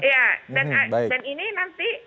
iya dan ini nanti